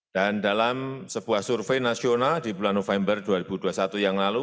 dan dalam sebuah survei nasional di bulan november dua ribu dua puluh satu yang lalu